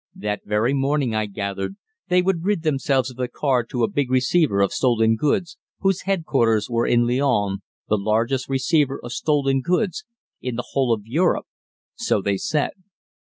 That very morning, I gathered, they would rid themselves of the car to a big receiver of stolen goods, whose headquarters were in Lyons, the largest receiver of stolen goods in the whole of Europe, so they said.